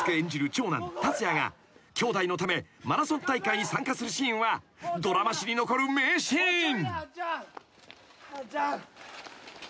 長男達也がきょうだいのためマラソン大会に参加するシーンはドラマ史に残る名シーン］